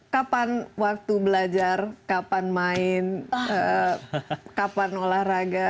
kapan waktu belajar kapan main kapan olahraga